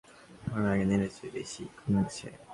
তবে দুই বাজারেই এদিন লেনদেনের পরিমাণ আগের দিনের চেয়ে কমে গেছে।